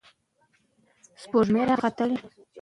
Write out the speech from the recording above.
شاعر د سپوږمۍ په رڼا کې د وصال خوبونه ویني.